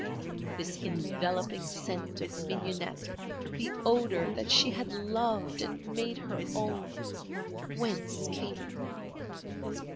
This enveloping scent of mignonette, the odour that she had loved and made her own—whence came it?